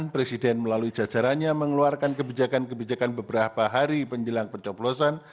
delapan presiden melalui jajarannya mengeluarkan kebijakan kebijakan beberapa hari penjelang penjelang perjablosan